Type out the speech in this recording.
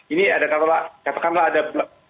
ini ada katakanlah ada bagian akhir